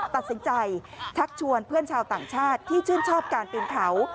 ตัดสินใจชักชวนเพื่อนชาวต่างชาติที่ชื่นชอบการปีนเขา